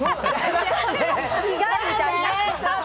意外みたいな。